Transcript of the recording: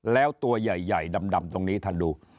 แล้วตัวใหญ่ดำตรงนี้ท่านดู